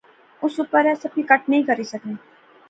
اس اپر ایہہ سب کی کٹ نی کری سکنا